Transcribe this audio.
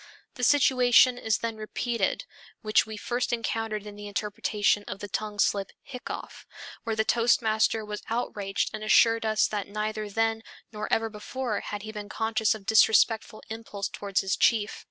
The situation is then repeated which we first encountered in the interpretation of the tongue slip "hiccough" where the toastmaster was outraged and assured us that neither then nor ever before had he been conscious of disrespectful impulse toward his chief.